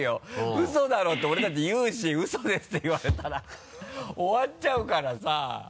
ウソだろって俺だって言うしウソですって言われたら終わっちゃうからさ。